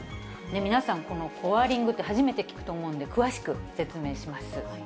皆さん、このコアリングって初めて聞くと思うんで、詳しく説明します。